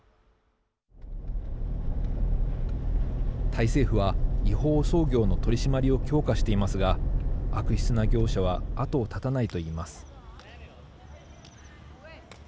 タイ政府は違法操業の取締まりを強化していますが悪質な業者は後を絶たないといいます。